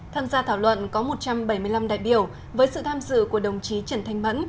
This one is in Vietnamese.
tham gia thảo luận có một trăm bảy mươi năm đại biểu với sự tham dự của đồng chí trần thanh mẫn